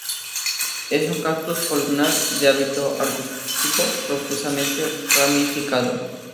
Es un cactus columnar de hábito arbustivo, profusamente ramificado.